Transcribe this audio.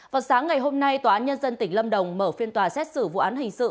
vào sáng ngày hôm nay tòa án nhân dân tỉnh lâm đồng mở phiên tòa xét xử vụ án hình sự